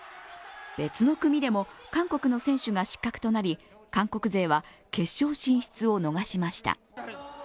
別の組でも、韓国の選手が失格となり、韓国勢は決勝進出を逃しました。